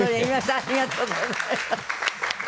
ありがとうございます。